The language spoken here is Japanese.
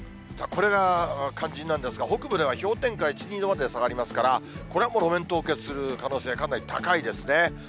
これが肝心なんですが、北部では氷点下１、２度まで下がりますから、これは路面凍結する可能性、かなり高いですね。